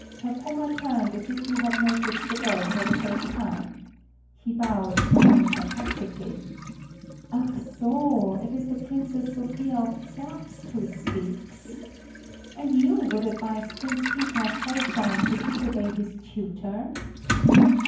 Herr Brummer turned as if he had noticed the girl for the first time. He bowed, smiling sarcastically. "Ach so; it is the Princess Sophia of Zerbst who speaks? And you would advise Prince Peter of Holstein to disobey his tutor?"